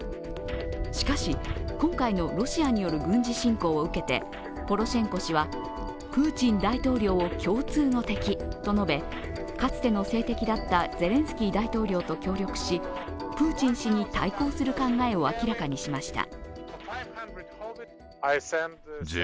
しかし、今回のロシアによる軍事侵攻を受けてポロシェンコ氏は、プーチン大統領を共通の敵と述べかつての政敵だったゼレンスキー大統領と協力しプーチン氏に対抗する考えを明らかにしました。